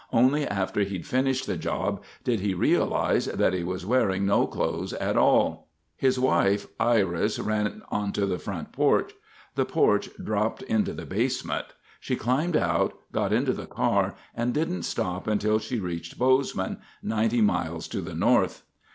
Only after he'd finished the job did he realize that he was wearing no clothes at all. [Illustration: Blocked road] His wife, Iris, ran onto the front porch. The porch dropped into the basement. She climbed out, got into the car, and didn't stop until she reached Bozeman, 90 miles to the north.